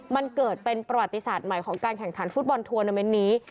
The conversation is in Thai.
มันเกิดเป็นประวัติศาสตร์ใหม่ของการแข่งขันฟุตบอลทัวร์นาเมนต์นี้